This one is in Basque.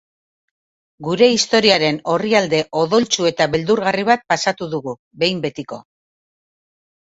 Gure historiaren orrialde odoltsu eta beldurgarri bat pasatu dugu, behin betiko.